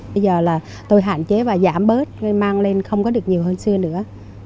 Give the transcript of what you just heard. bây giờ là tôi hạn chế và giảm bớt rồi mang lên không có được nhiều hơn xưa nữa